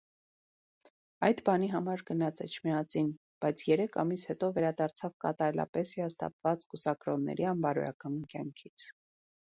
Այդ բանի համար գնաց Էջմիածին, բայց երեք ամիս հետո վերադարձավ կատարելապես հիասթափված կուսակրոնների անբարոյական կյանքից: